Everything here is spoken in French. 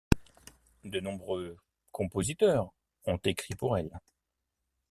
De nombreux compositeurs ont écrit pour elle.